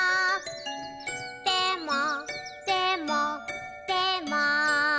でもでもでも」